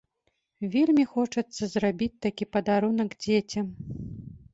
Вельмі хочацца зрабіць такі падарунак дзецям.